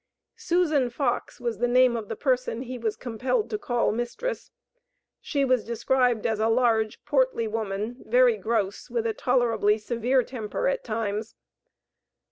Susan Fox was the name of the person he was compelled to call mistress. She was described as a "large, portly woman, very gross, with a tolerably severe temper, at times."